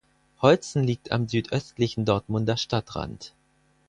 Holzen liegt am südöstlichen Dortmunder Stadtrand.